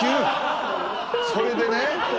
それでね。